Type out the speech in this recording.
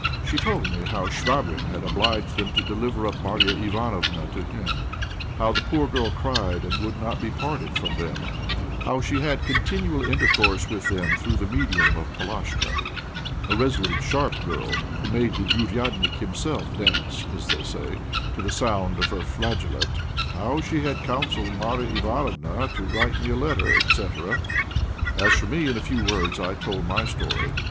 She told me how Chvabrine had obliged them to deliver up Marya Ivánofna to him; how the poor girl cried, and would not be parted from them; how she had had continual intercourse with them through the medium of Polashka, a resolute, sharp girl who made the "ouriadnik" himself dance (as they say) to the sound of her flageolet; how she had counselled Marya Ivánofna to write me a letter, etc. As for me, in a few words I told my story.